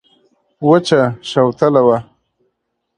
وچه شوتله وه.